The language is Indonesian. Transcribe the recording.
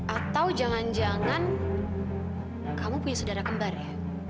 atau jangan jangan kamu punya saudara kembar ya